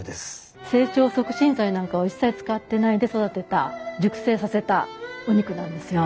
成長促進剤なんかを一切使ってないで育てた熟成させたお肉なんですよ。